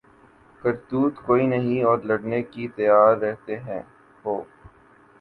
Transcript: کرتوت کوئی نہیں اور لڑنے کو تیار رہتے ہو